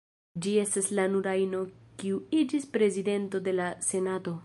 Ŝi estas la nura ino kiu iĝis Prezidento de la Senato.